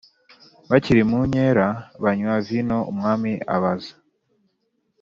Bakiri mu nkera banywa vino umwami abaza